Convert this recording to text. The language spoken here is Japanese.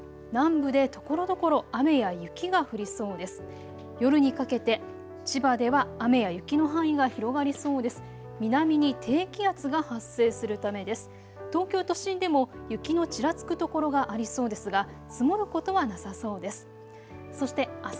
そして夕方以降は南部でところどころ雨や雪が降りそうです。